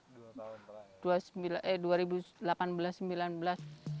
dua tahun perannya